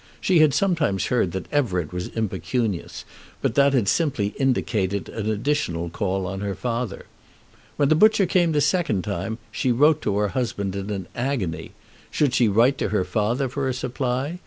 She had sometimes heard that Everett was impecunious, but that had simply indicated an additional call upon her father. When the butcher came the second time she wrote to her husband in an agony. Should she write to her father for a supply?